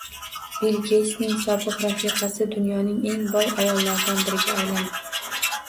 Bill Geytsning sobiq rafiqasi dunyoning eng boy ayollaridan biriga aylandi